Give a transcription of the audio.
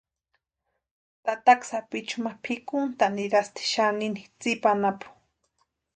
Tataka sapichu ma pʼikuntʼani nirasti xanini tsipa anapu.